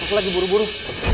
aku lagi buru buru